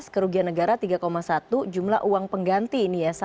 dua ribu lima belas kerugian negara tiga satu jumlah uang pengganti